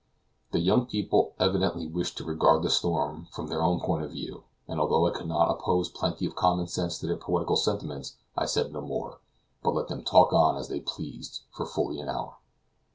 The young people evidently wished to regard the storm from their own point of view, and although I could have opposed plenty of common sense to their poetical sentiments, I said no more, but let them talk on as they pleased for fully an hour.